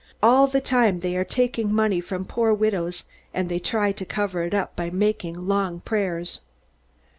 All the time they are taking money from poor widows and they try to cover it up by making long prayers."